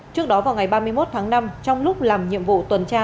trước đó vào ngày ba mươi một tháng năm trong lúc làm nhiệm vụ tuần tra